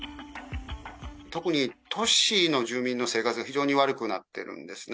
特に都市の住民の生活が非常に悪くなってるんですね。